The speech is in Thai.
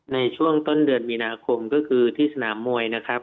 ในช่วงต้นเดือนมีนาคมก็คือที่สนามมวยนะครับ